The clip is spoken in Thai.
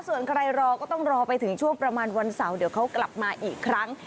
ส่วนใครรอก็ต้องรอไปถึงช่วงประมาณวันเสาร์เดี๋ยวเขากลับมาอีกครั้ง